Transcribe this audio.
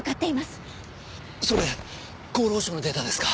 それ厚労省のデータですか？